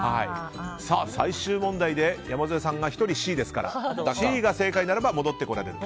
最終問題で山添さんが１人ＣですからＣが正解なら戻ってこられる。